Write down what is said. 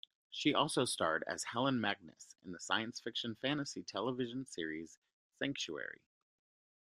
She also starred as Helen Magnus in the science fiction-fantasy television series "Sanctuary".